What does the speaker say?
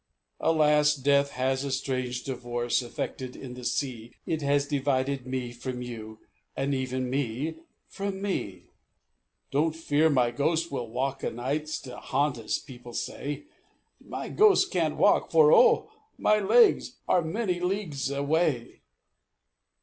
"Alas! death has a strange divorce Effected in the sea, It has divided me from you, And even me from me! "Don't fear my ghost will walk o' nights To haunt, as people say; My ghost can't walk, for, oh! my legs Are many leagues away!